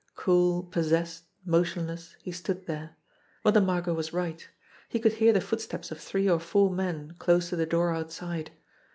Cool, possessed, motionless, he stood there. Mother Mar got was right. He could hear the footsteps of three or four men close to the door outside.